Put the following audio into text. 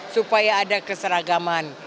supaya ada keseragaman